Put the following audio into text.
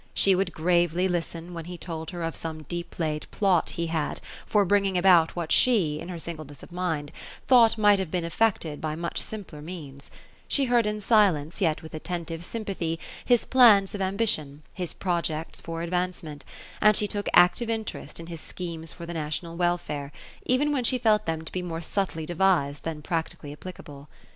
She would gravely listen, when he told her of some deep laid plot he had, for bringing about what she, in her singleness of mind, thought might have been effected by much simpler means ; she heard in silence, yet with attentive sympathy, his plans of ambition, his projects for advancement ; and she took active interest in his schemes for the national welfare, even when she felt them to be more subtly devized, than practically applicable.